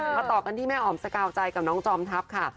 มาต่อกันที่แม่อ๋อมสกาวใจกับน้องจอมทัพค่ะ